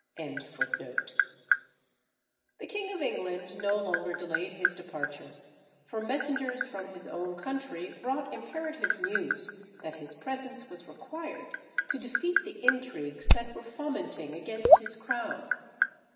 The king of England no longer delayed his departure, for messengers from his own country brought imperative news that his presence was required to defeat the intrigues that were fomenting against his crown.